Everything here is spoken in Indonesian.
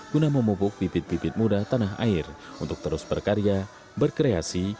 guna memupuk bibit bibit muda tanah air untuk terus berkarya berkreasi